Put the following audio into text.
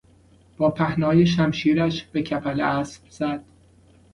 با پهنای شمشیرش به کپل اسب زد.